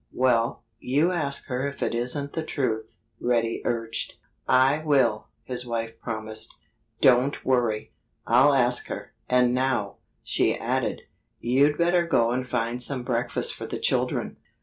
"Well, you ask her if it isn't the truth," Reddy urged. "I will!" his wife promised. "Don't worry! I'll ask her.... And now," she added, "you'd better go and find some breakfast for the children.